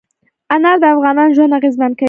انار د افغانانو ژوند اغېزمن کوي.